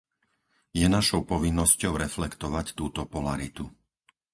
Je našou povinnosťou reflektovať túto polaritu.